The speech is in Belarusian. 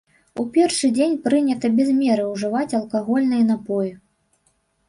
У першы дзень прынята без меры ўжываць алкагольныя напоі.